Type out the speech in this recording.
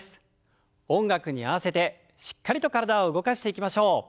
音楽に合わせてしっかりと体を動かしていきましょう。